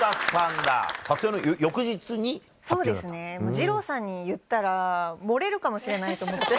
二朗さんに言ったら漏れるかもしれないと思って。